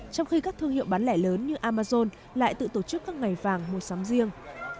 trong khi các thương hiệu bán lẻ lớn như amazon lại tự tổ chức các ngày vàng mua sắm riêng